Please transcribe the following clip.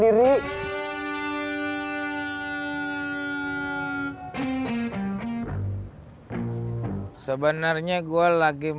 tidak ada yang mau gini